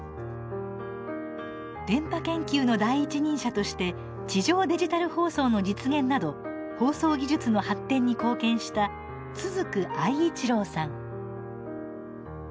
電波研究の第一人者として地上デジタル放送の実現など放送技術の発展に貢献した都竹愛一郎さん。